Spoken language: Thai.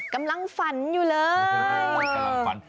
กำลังฝันอยู่เลย